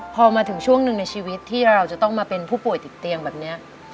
พอมาถึงช่วงหนึ่งในชีวิตที่เราจะต้องมาเป็นผู้ป่วยติดเตียงแบบนี้